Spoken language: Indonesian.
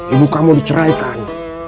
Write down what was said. ibu kamu diceraikan